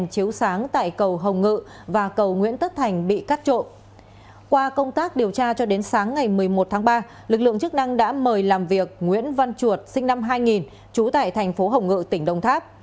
qua công tác điều tra cho đến sáng ngày một mươi một tháng ba lực lượng chức năng đã mời làm việc nguyễn văn chuột sinh năm hai nghìn trú tại thành phố hồng ngự tỉnh đông tháp